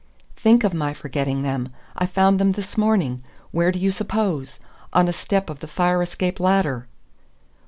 "Think of my forgetting them! I found them this morning. Where do you suppose? On a step of the fire escape ladder."